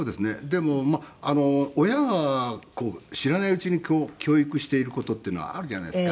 でも親が知らないうちに教育している事っていうのはあるじゃないですか。